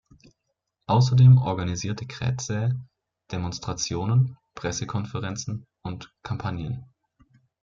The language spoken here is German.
Außerdem organisierte Krätzä Demonstrationen, Pressekonferenzen und Kampagnen.